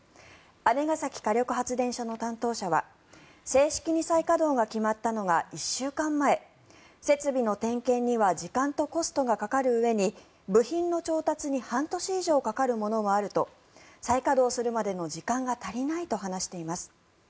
姉崎火力発電所の担当者は正式に再稼働が決まったのが１週間前設備の点検には時間とコストがかかるうえに部品の調達に半年以上かかるものもあると再稼働するまでの時間が足りないと話しています。